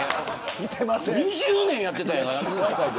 ２０年やってたんやから。